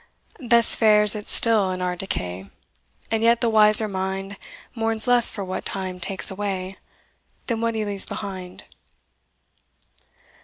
Thus fares it still in our decay; And yet the wiser mind Mourns less for what time takes away, Than what he leaves behind.